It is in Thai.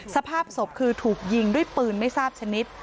สภาพศพคือถูกยิงด้วยปืนไม่ทราบชนิด